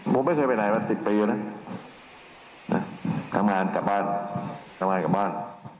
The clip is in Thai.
ผมไม่เคยไปไหนมา๑๐ปีนะทำงานกลับบ้านทำงานกลับบ้าน